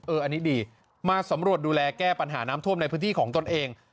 อันนี้ดีมาสำรวจดูแลแก้ปัญหาน้ำท่วมในพื้นที่ของตนเอง